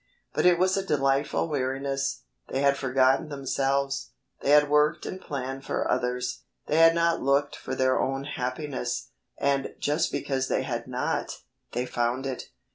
But it was a delightful weariness. They had forgotten themselves. They had worked and planned for others. They had not looked for their own happiness, and just because they had not, they found it.